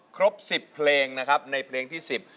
ครบสิบเพลงนะครับในเพลงที่สิบ